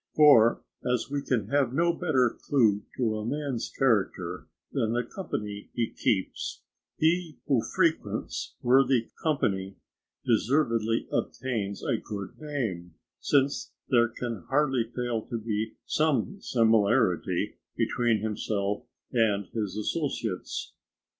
For as we can have no better clue to a man's character than the company he keeps, he who frequents worthy company deservedly obtains a good name, since there can hardly fail to be some similarity between himself and his associates.